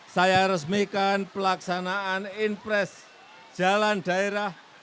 saya resmikan pelaksanaan impres jalan daerah